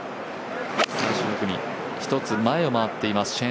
最初の組、１つ前を回っています